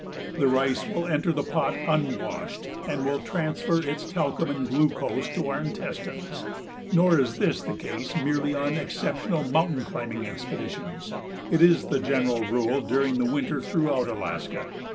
The rice will enter the pot unwashed and will transfer its talcum and glucose to our intestines. Nor is this the case merely on exceptional mountain climbing expeditions; it is the general rule during the winter throughout Alaska.